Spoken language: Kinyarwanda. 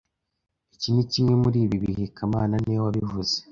Iki ni kimwe muri ibi bihe kamana niwe wabivuze